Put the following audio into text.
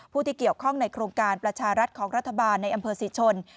ผู้ที่เกี่ยวข้องในโครงการประชารัฐของรัฐบาลในอำเภอศรีชน